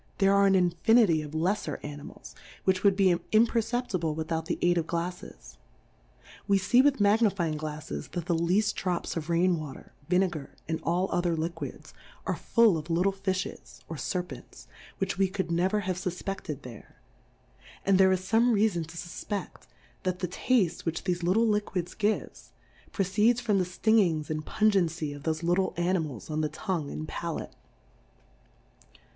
there are an infinity of lefler Animals, which would be im perceptible, without the aid of GlalTes. We fee with Magnifying GlalTes that the leaft Drops of Rain Water, Vine gar, and all other Liquids, are full of little Fillies, or Serpents, which we could never have fufpefted there ; and there is fome Reafon to fufpeft, that the Taftes which thefe little Liquids gives, proceeds from the Stingings and Pungency of thofe little Animals on the Tongue and Palate.